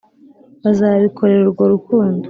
bazabikorera urwo rukundo